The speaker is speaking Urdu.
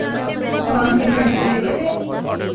عوام کیا بھیڑوں کا ریوڑ ہے؟